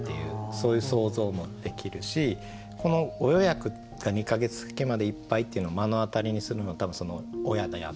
そういう想像もできるしこの「『ご予約』が二ヶ月先までいっぱい」っていうのを目の当たりにするの多分親であったり保護者であったり。